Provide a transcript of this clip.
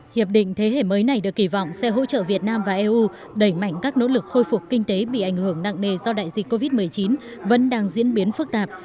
hiệp định thế hệ mới này được kỳ vọng sẽ hỗ trợ việt nam và eu đẩy mạnh các nỗ lực khôi phục kinh tế bị ảnh hưởng nặng nề do đại dịch covid một mươi chín vẫn đang diễn biến phức tạp